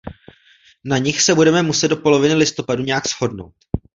Na nich se budeme muset do poloviny listopadu nějak shodnout.